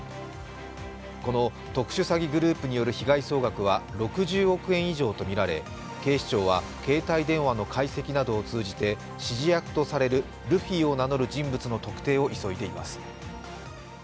この特殊詐欺グループによる被害総額は６０億円以上とみられ、警視庁は携帯電話の解析などを通じて指示役とされるルフィを名乗る人物の特定を急いでいます。